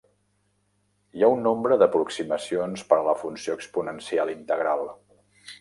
Hi ha un nombre d'aproximacions per a la funció exponencial integral.